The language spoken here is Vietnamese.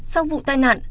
sau vụ tai nạn